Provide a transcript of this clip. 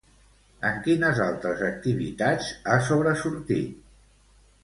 En quines altres activitats ha sobresortit?